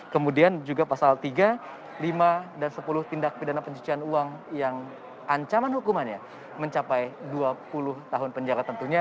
kemudian juga pasal tiga lima dan sepuluh tindak pidana pencucian uang yang ancaman hukumannya mencapai dua puluh tahun penjara tentunya